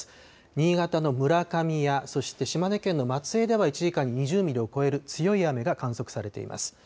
新潟の村上やそして島根県の松江では１時間に２０ミリを超える強い雨が観測されています。